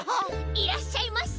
いらっしゃいませ。